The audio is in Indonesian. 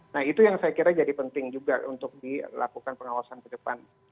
nah itu yang saya kira jadi penting juga untuk dilakukan pengawasan ke depan